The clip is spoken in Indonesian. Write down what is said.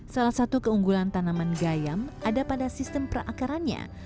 salah satu keunggulan tanaman gayam ada pada sistem perakarannya